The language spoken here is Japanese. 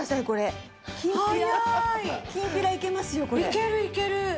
いけるいける。